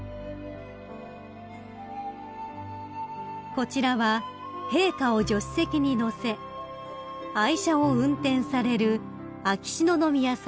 ［こちらは陛下を助手席に乗せ愛車を運転される秋篠宮さまです］